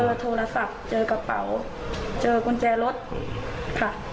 โทรศัพท์เจอกระเป๋าเจอกุญแจรถค่ะ